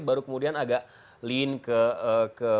baru kemudian agak ke